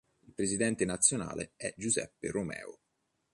Il presidente nazionale è Giuseppe Romeo.